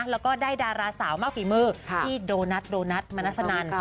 แล้วก็ได้ดาราสาวมากกี่มือพี่โดนัทมานัดสนาน